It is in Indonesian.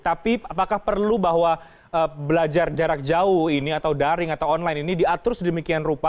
tapi apakah perlu bahwa belajar jarak jauh ini atau daring atau online ini diatur sedemikian rupa